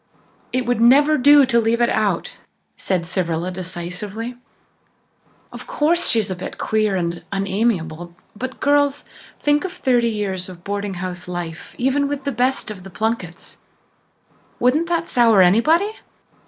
"It would never do to leave her out," said Cyrilla decisively. "Of course, she's a bit queer and unamiable, but, girls, think of thirty years of boarding house life, even with the best of Plunketts. Wouldn't that sour anybody?